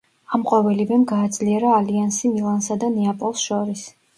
ამ ყოველივემ გააძლიერა ალიანსი მილანსა და ნეაპოლს შორის.